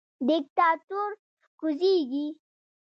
دیکتاتور کوزیږي